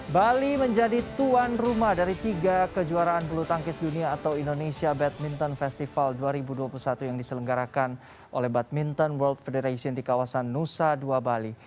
bali menjadi tuan rumah dari tiga kejuaraan bulu tangkis dunia atau indonesia badminton festival dua ribu dua puluh satu yang diselenggarakan oleh badminton world federation di kawasan nusa dua bali